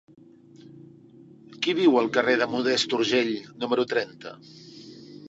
Qui viu al carrer de Modest Urgell número trenta?